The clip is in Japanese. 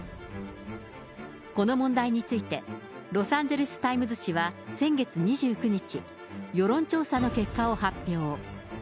この問題について、ロサンゼルス・タイムズ紙は先月２９日、世論調査の結果を発表。